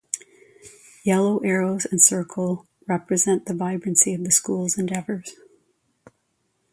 Yellow arrows and circle represent the vibrancy of the school's endeavours.